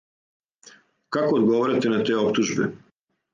Како одговарате на те оптужбе?